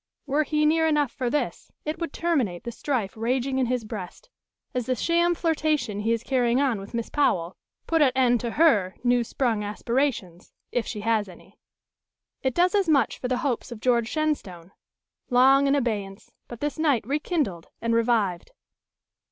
Were he near enough for this, it would terminate the strife raging in his breast, as the sham flirtation he is carrying on with Miss Powell put at end to her new sprung aspirations, if she has any. It does as much for the hopes of George Shenstone long in abeyance, but this night rekindled and revived.